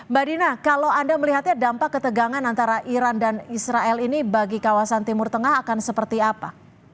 mbak dina kalau anda melihatnya dampak ketegangan antara iran dan israel ini bagi kawasan timur tengah akan seperti apa